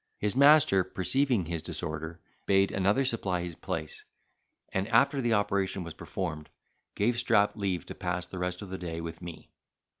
His master, perceiving his disorder, bade another supply his place, and after the operation was performed, gave Strap leave to pass the rest of the day with me.